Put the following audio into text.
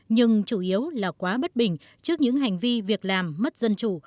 nhưng chủ yếu là quá bất bình trước những hành vi việc làm mất dân chủ